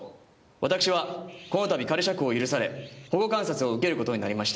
「私はこの度仮釈放を許され保護観察を受けることになりました」